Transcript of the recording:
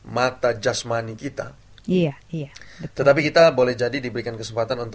mari berjalan ke sion